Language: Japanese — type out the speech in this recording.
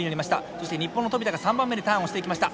そして日本の富田が３番目にターンをしていきました。